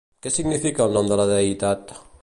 Què significa el nom de la deïtat?